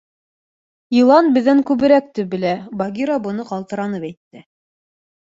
— Йылан беҙҙән күберәкте белә, — Багира быны ҡалтыранып әйтте.